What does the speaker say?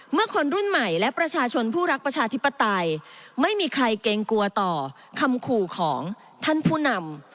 คนรุ่นใหม่และประชาชนผู้รักประชาธิปไตยไม่มีใครเกรงกลัวต่อคำขู่ของท่านผู้นำ